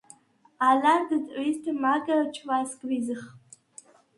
ალა̈რდ ტკისდ მა̈გ ჩვასგვიზხ.